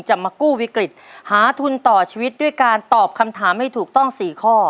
มากู้วิกฤตหาทุนต่อชีวิตด้วยการตอบคำถามให้ถูกต้อง๔ข้อ